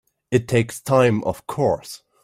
It takes time of course.